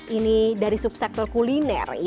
ini dari subsektor kuliner